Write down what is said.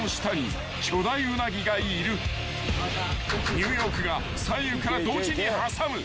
［ニューヨークが左右から同時に挟む］